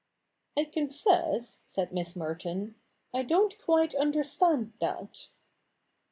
' I confess,' said Miss Merton, ' I don't quite under stand that.'